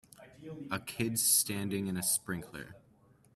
A kid standing in a sprinkler.